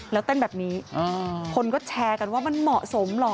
แล้วเต้นแบบนี้คนก็แชร์กันว่ามันเหมาะสมเหรอ